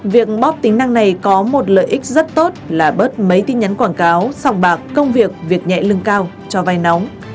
việc bóp tính năng này có một lợi ích rất tốt là bớt mấy tin nhắn quảng cáo sòng bạc công việc việc nhẹ lương cao cho vai nóng